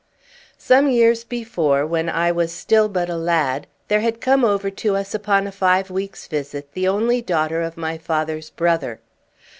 Some years before, when I was still but a lad, there had come over to us upon a five weeks' visit the only daughter of my father's brother.